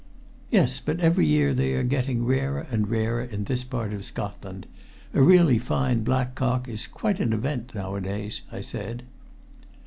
"Yes, but every year they are getting rarer and rarer in this part of Scotland. A really fine black cock is quite an event nowadays," I said.